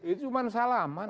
itu cuma salaman